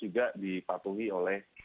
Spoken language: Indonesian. juga dipatuhi oleh